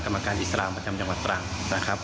กรรมการอิสลามประจำจังหวัดตรังนะครับ